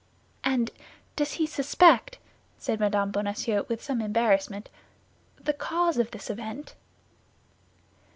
"And does he suspect," said Mme. Bonacieux, with some embarrassment, "the cause of this event?"